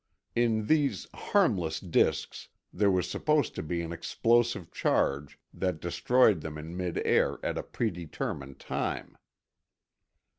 In these "harmless" disks there was supposed to be an explosive charge that destroyed them in mid air at a predetermined time.